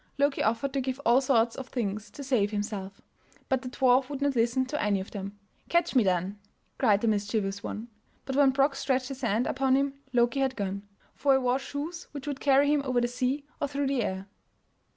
Loki offered to give all sorts of things to save himself, but the dwarf would not listen to any of them. "Catch me, then!" cried the mischievous one; but when Brok stretched his hand upon him Loki had gone, for he wore shoes which would carry him over the sea or through the air.